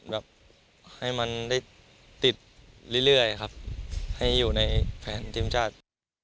แบบให้มันได้ติดเรื่อยครับให้อยู่ในแผนทีมชาติ